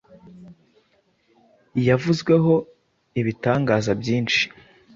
Yavuzweho ibitangaza byinshi